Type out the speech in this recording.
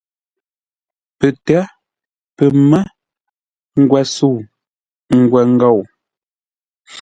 Pətə́, pəmə́, ngwəsəu, ngwəngou.